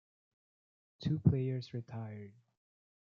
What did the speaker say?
Two players retired.